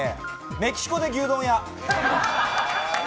メキシコで牛丼屋。